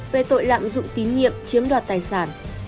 về tội lạm dụng tín nhiệm chiếm đoạt tài sản